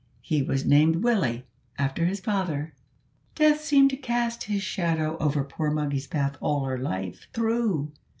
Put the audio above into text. He was named Willie, after his father. "Death seemed to cast his shadow over poor Moggy's path all her life through.